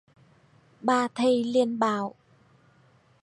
bà thầy liền bảo